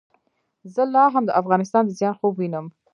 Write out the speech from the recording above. زه لا هم د افغانستان د زیان خوب وینم.